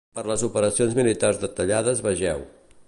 Per les operacions militars detallades vegeu: